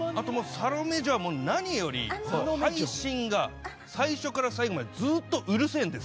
サロメ嬢は何より配信が最初から最後までずっとうるせえんです。